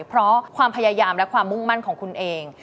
เพราะความพยายามและความมุ่งมั่นของคุณเอง